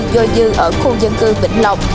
do dư ở khu dân cư vĩnh lộc